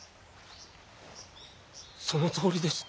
そのとおりです。